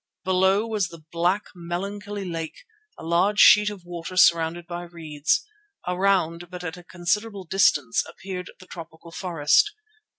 Below was the black, melancholy lake, a large sheet of water surrounded by reeds. Around, but at a considerable distance, appeared the tropical forest.